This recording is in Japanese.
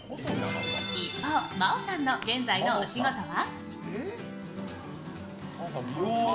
一方、昌大さんの現在のお仕事は？